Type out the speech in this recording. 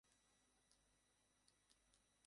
তার phone number পাওয়া কি সম্ভব?